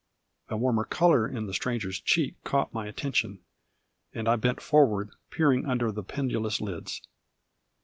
A warmer colour in the Stranger's cheek caught my attention; and I bent forward, peering under the pendulous lids.